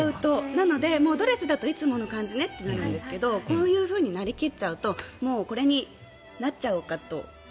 なので、ドレスだといつもの感じねってなるんですけどこういうふうになり切っちゃうとこれになっちゃおうかと。